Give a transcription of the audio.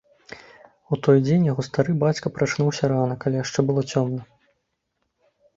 У той дзень яго стары бацька прачнуўся рана, калі яшчэ было цёмна.